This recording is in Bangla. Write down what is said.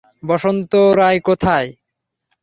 বসন্ত রায় কোথায়?